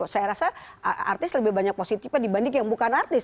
saya rasa artis lebih banyak positifnya dibanding yang bukan artis